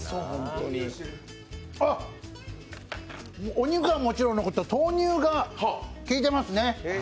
お肉はもちろんのこと豆乳が効いてますね。